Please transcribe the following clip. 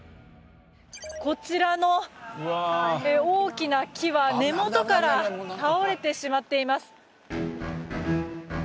こちらの大きな木は根元から倒れてしまっています。